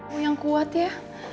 mau yang kuat ya